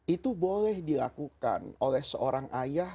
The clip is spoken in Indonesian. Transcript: itu boleh dilakukan oleh seorang ayah